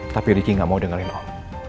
tapi ricky gak mau dengerin om